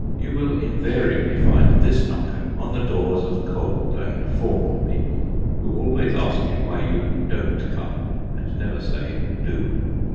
You will invariably find this knocker on the doors of cold and formal people, who always ask you why you don't come, and never say do.